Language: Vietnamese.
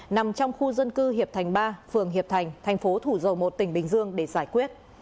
nằm trong khu dân cư hiệp thành ba phường hiệp thành thành phố thủ dầu một tỉnh bình dương để giải quyết